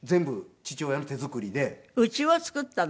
家を造ったの？